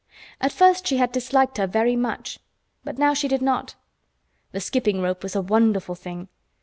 At first she had disliked her very much, but now she did not. The skipping rope was a wonderful thing.